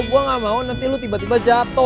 gue gak mau nanti lu tiba tiba jatuh